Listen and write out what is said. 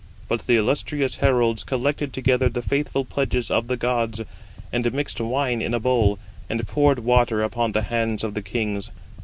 But the illustrious heralds collected together the faithful pledges of the gods, and mixed wine in a bowl, and poured water upon the hands of the kings.